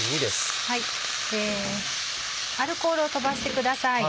アルコールを飛ばしてください。